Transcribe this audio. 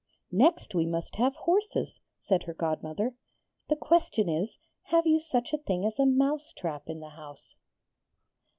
'Next we must have horses,' said her godmother. 'The question is, Have you such a thing as a mouse trap in the house?'